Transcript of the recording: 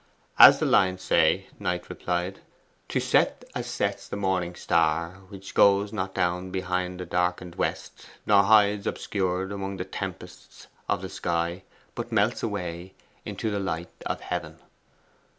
'As the lines say,' Knight replied '"To set as sets the morning star, which goes Not down behind the darken'd west, nor hides Obscured among the tempests of the sky, But melts away into the light of heaven."